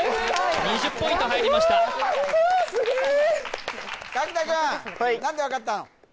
２０ポイント入りました柿田君何で分かったの？